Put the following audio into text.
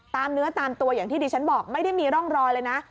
ตามเนื้อตามตัวไม่ได้ร่องรอยเลยนะ